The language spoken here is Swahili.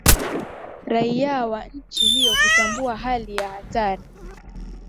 raia wa nchi hiyo kutambua hali ya hatari